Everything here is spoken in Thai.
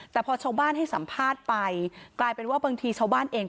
แต่พอชาวบ้านให้สัมภาษณ์ไปกลายเป็นว่าบางทีชาวบ้านเอง